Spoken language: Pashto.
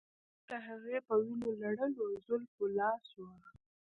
ما د هغې په وینو لړلو زلفو لاس واهه